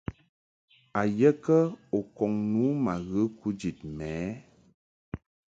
A ye kə u kɔŋ nu ma ghə kujid mɛ ɛ ?